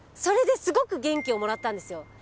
それですごく元気をもらったんですよ。